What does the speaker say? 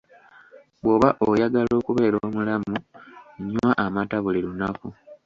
Bw'oba oyagala okubeera omulamu nywa amata buli lunaku.